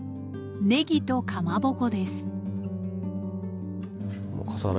ねぎとかまぼこです笠原